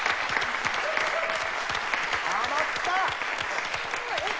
ハマった！